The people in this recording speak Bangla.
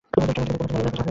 টার্গেটকে দেখতে পাচ্ছি।